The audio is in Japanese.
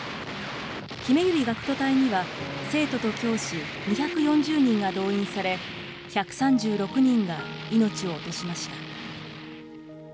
ひめゆり学徒隊には、生徒と教師２４０人が動員され、１３６人が命を落としました。